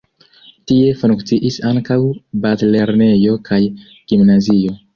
Tie funkciis ankaŭ bazlernejo kaj gimnazio.